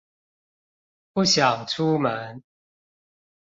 不想出門